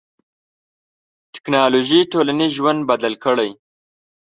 ټکنالوژي ټولنیز ژوند بدل کړی.